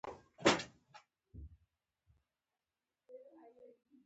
دوی د کار شرایط ګوري.